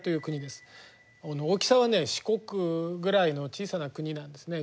大きさはね四国ぐらいの小さな国なんですね。